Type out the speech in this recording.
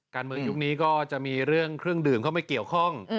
ยุคนี้ก็จะมีเรื่องเครื่องดื่มเข้าไปเกี่ยวข้อง